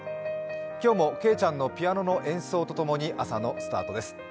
今日もけいちゃんのピアノの演奏とともに朝のスタートです。